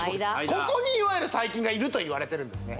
ここにいわゆる細菌がいるといわれてるんですね